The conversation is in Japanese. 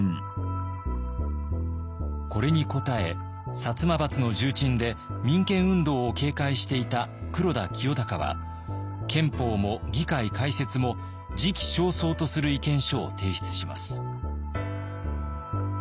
これに応え摩閥の重鎮で民権運動を警戒していた黒田清隆は憲法も議会開設も時期尚早とする意見書を提出します。